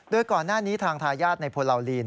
โดยก่อนหน้านี้ทางทายาทในโพลาวลีน